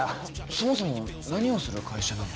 そもそも何をする会社なの？